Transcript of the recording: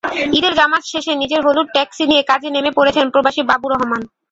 ঈদের জামাত শেষে নিজের হলুদ ট্যাক্সি নিয়ে কাজে নেমে পড়েছেন প্রবাসী বাবু রহমান।